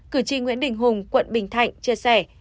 cử tri nguyễn đình hùng quận bình thạnh chia sẻ